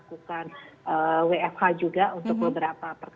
nah apakah dan kita juga sudah ada himbawan dan kesehatan